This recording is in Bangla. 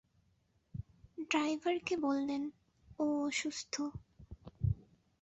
ড্রাইভারকে বললেন, ও অসুস্থ।